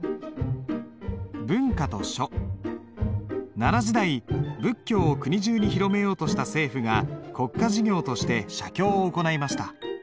奈良時代仏教を国中に広めようとした政府が国家事業として写経を行いました。